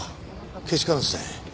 けしからんですね。